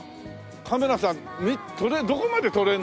カメラさんどこまで撮れるの？